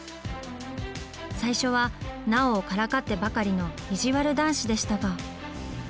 最初は奈緒をからかってばかりの意地悪男子でしたが。